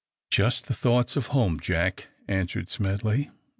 "Just the thoughts of home, Jack," answered Smedley.